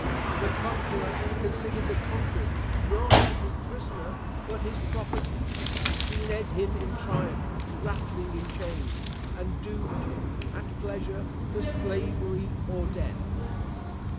The conqueror considered the conquered, not as his prisoner, but his property. He led him in triumph rattling in chains, and doomed him, at pleasure, to slavery or death.